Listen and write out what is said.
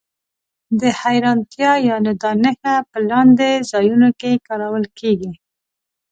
د حېرانتیا یا ندا نښه په لاندې ځایونو کې کارول کیږي.